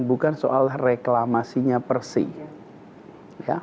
bukan soal reklamasinya persis